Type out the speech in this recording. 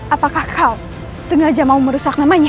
apakah kau sengaja mau merusak namanya